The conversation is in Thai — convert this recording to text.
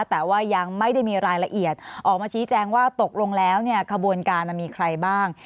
แต่ว่ายังไม่ได้มีรายละเอียดออกมาชี้แจงว่าตกลงแล้วเนี่ยขบวนการมีใครบ้าง